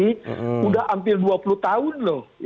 ini udah hampir dua puluh tahun